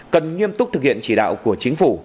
cần nghiêm túc thực hiện chỉ đạo của chính phủ